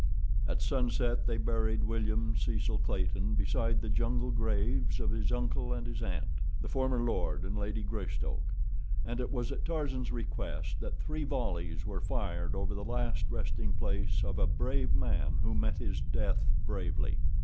At sunset they buried William Cecil Clayton beside the jungle graves of his uncle and his aunt, the former Lord and Lady Greystoke. And it was at Tarzan's request that three volleys were fired over the last resting place of "a brave man, who met his death bravely."